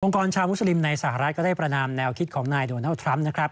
กรชาวมุสลิมในสหรัฐก็ได้ประนามแนวคิดของนายโดนัลด์ทรัมป์นะครับ